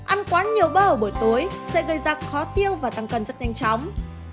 ăn quá nhiều bơ ở buổi tối sẽ gây ra khó tiêu và tăng cân rất nhanh chóng